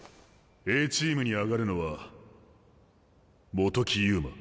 Ａチームに上がるのは本木遊馬。